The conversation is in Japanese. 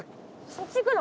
そっち行くの？